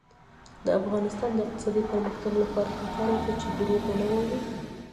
د افغانستان د اقتصادي پرمختګ لپاره پکار ده چې دروغ ونه وایو.